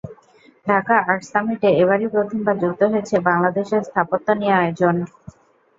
Dhaka art সামিটে এবারই প্রথমবার যুক্ত হয়েছে বাংলাদেশের স্থাপত্য নিয়ে আয়োজন।